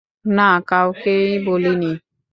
না, কাউকেই বলি নি।